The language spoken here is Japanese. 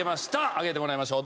上げてもらいましょう。